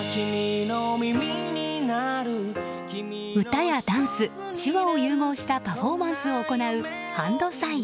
歌やダンス、手話を融合したパフォーマンスを行うＨＡＮＤＳＩＧＮ。